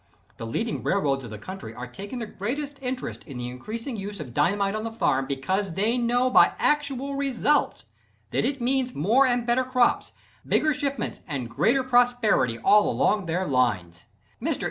The leading railroads of the country are taking the greatest interest in the increasing use of dynamite on the farm, because they know by actual results that it means more and better crops, bigger shipments and greater prosperity all along their lines. Mr.